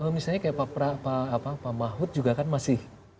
misalnya pak mahud juga kan masih